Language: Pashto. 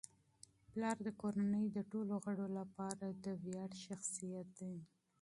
پلار د کورنی د ټولو غړو لپاره د فخر ځای دی.